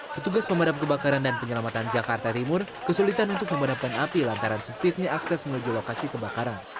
petugas pemadam kebakaran dan penyelamatan jakarta timur kesulitan untuk memadamkan api lantaran sempitnya akses menuju lokasi kebakaran